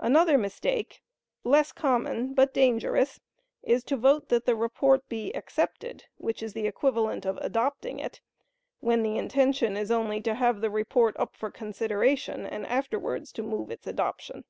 Another mistake, less common but dangerous, is to vote that the report be accepted which is equivalent to adopting it), when the intention is only to have the report up for consideration and afterwards move its adoption.